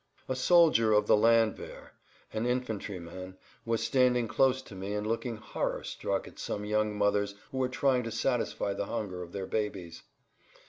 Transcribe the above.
A soldier of the landwehr, an infantryman, was standing close to me and looked horror struck at some young mothers who were trying to satisfy the hunger of their babes.